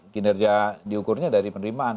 kinerja diukurnya dari penerimaan